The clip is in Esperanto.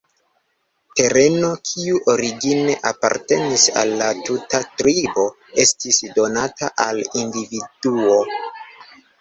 Tereno, kiu origine apartenis al la tuta tribo, estis donata al individuo.